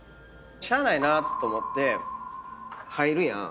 しゃあないなと思って入るやん。